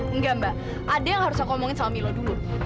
enggak mbak ada yang harus aku omongin sama milo dulu